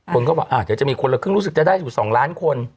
คนก็บอกเดี๋ยวจะมีคนละครึ่งรู้สึกจะได้อยู่๒ล้านคน